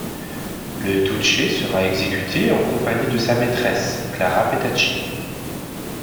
Le Duce sera exécuté en compagnie de sa maîtresse Clara Petacci.